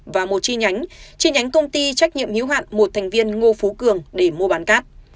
và một chi nhánh chi nhánh công ty trách nhiệm hiếu hạn một thành viên ngô phú cường để mua bán cát